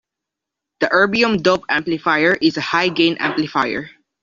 The erbium doped amplifier is a high gain amplifier.